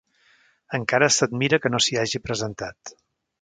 Encara s'admira que no s'hi hagi presentat.